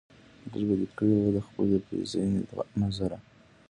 لږ به دې کړی و دخپلې پیرزوینې نظر